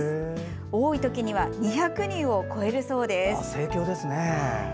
多いときには２００人を超えるそうです。